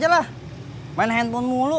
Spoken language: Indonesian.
gak bisa saya ada handphone mulu